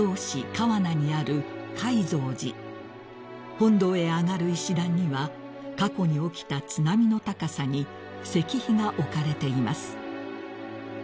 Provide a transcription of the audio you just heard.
［本堂へ上がる石段には過去に起きた津波の高さに石碑が置かれています］